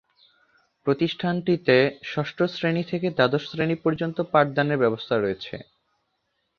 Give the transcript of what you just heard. প্রতিষ্ঠানটিতে ষষ্ঠ শ্রেণী থেকে দ্বাদশ শ্রেণী পর্যন্ত পাঠদানের ব্যবস্থা রয়েছে।